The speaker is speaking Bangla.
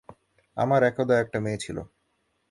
আমার একদা একটা মেয়ে ছিল।